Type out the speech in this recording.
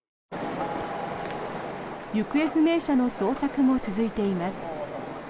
行方不明者の捜索も続いています。